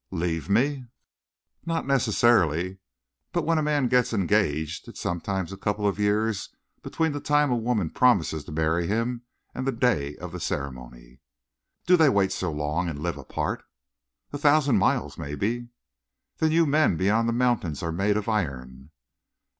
"Leave me?" "Not necessarily. But you, when a man gets engaged, it's sometimes a couple of years between the time a woman promises to marry him and the day of the ceremony." "Do they wait so long, and live apart?" "A thousand miles, maybe." "Then you men beyond the mountains are made of iron!"